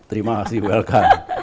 terima kasih welcome